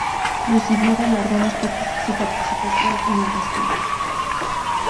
Recibió galardones por su participación en el rescate.